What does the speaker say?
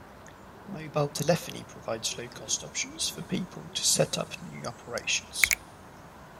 Mobile telephony provides low-cost options for people to set up news operations.